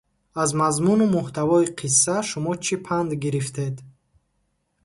Аз мазмуну муҳтавои қисса шумо чӣ панд гирифтед?